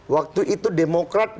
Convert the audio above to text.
waktu itu demokrasi